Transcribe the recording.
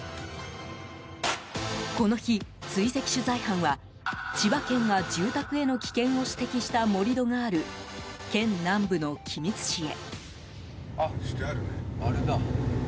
この日、追跡取材班は千葉県が住宅への危険を指摘した盛り土がある県南部の君津市へ。